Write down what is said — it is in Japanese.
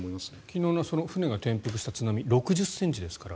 昨日の船が転覆した津波６０ｃｍですから。